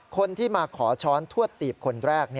คนที่มาขอช้อนทวดตีบคนแรก